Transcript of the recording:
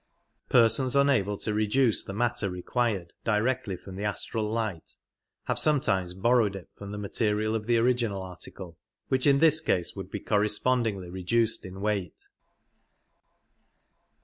Persons unable to reduce the matter required directly from the astral light have sometimes borrowed it from the material of the original article, which in this case would be correspondingly reduced in weight.